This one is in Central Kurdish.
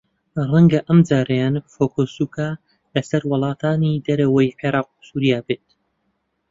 رەنگە ئەمجارەیان فۆکووسەکە لەسەر وڵاتانی دەرەوەی عێراق و سووریا بێت